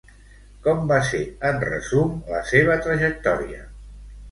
Com va ser, en resum, la seva trajectòria?